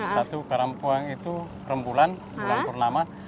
satu karampuang itu rembulan bulan pernama